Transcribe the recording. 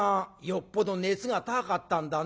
よっぽど熱が高かったんだね